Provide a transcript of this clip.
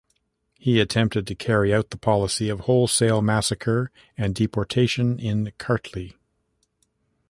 He attempted to carry out the policy of wholesale massacre and deportation in Kartli.